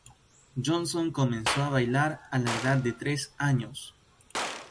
Johnson comenzó a bailar a la edad de tres años.